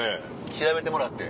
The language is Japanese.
調べてもらって。